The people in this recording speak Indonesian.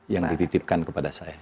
yang dititipkan kepada saya